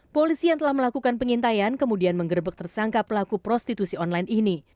polisi yang telah melakukan pengintaian kemudian menggerbek tersangka pelaku prostitusi online ini